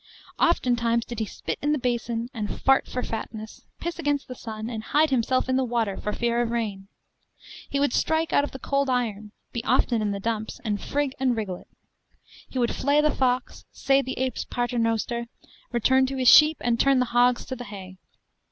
Oftentimes did he spit in the basin, and fart for fatness, piss against the sun, and hide himself in the water for fear of rain. He would strike out of the cold iron, be often in the dumps, and frig and wriggle it. He would flay the fox, say the ape's paternoster, return to his sheep, and turn the hogs to the hay.